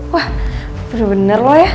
wah bener bener loh ya